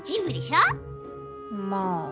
まあ。